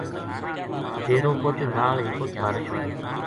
ڈیرو پہچن نال ہی اُت بارش